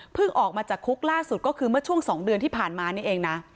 ออกมาจากคุกล่าสุดก็คือเมื่อช่วง๒เดือนที่ผ่านมานี่เองนะ